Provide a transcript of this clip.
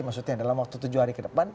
maksudnya dalam waktu tujuh hari ke depan